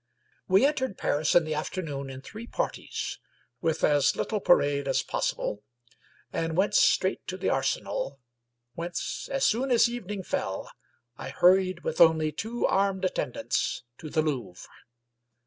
We entered Paris in the afternoon in three parties, with as little parade as possible, and went straight to the Arsenal, whence, as soon as evening fell, I hurried with only two armed attendants to the Louvre.